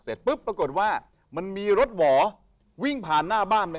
เสร็จปุ๊บปรากฏว่ามันมีรถหว่อวิ่งผ่านหน้าบ้านไป